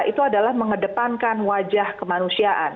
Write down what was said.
itu adalah mengedepankan wajah kemanusiaan